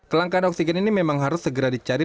kelangkaan oksigen ini memang harus segera dicari